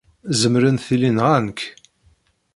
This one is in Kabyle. Zemren tili nɣan-k.